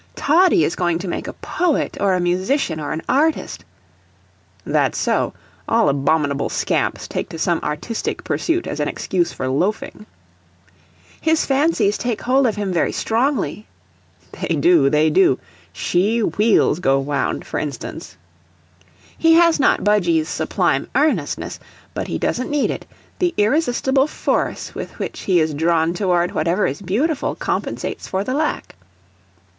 ] "Toddie is going to make a poet or a musician or an artist. [That's so; all abominable scamps take to some artistic pursuit as an excuse for loafing.] His fancies take hold of him very strongly. [They do they do; "shee wheels go wound," for instance.] He has not Budgie's sublime earnestness, but he doesn't need it; the irresistible force with which he is drawn toward whatever is beautiful compensates for the lack.